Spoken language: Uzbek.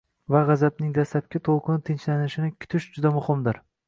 va g‘azabning dastlabki to‘lqini tinchlanishini kutish juda muhimdir.